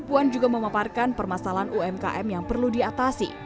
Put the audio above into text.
puan juga memaparkan permasalahan umkm yang perlu diatasi